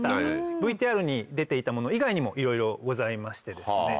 ＶＴＲに出ていたもの以外にもいろいろございましてですね。